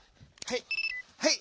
はい。